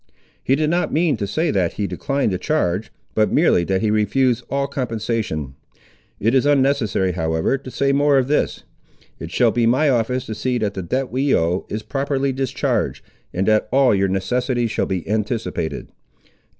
"He did not mean to say that he declined the charge, but merely that he refused all compensation. It is unnecessary, however, to say more of this; it shall be my office to see that the debt we owe, is properly discharged, and that all your necessities shall be anticipated."